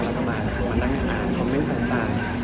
แล้วก็มานั่งอ่านคอมเม้นต์ต่าง